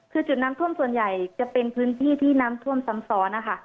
คือจุดน้ำท่วมส่วนใหญ่จะเป็นพื้นที่ที่น้ำท่วมซ้ำซ้อนนะคะ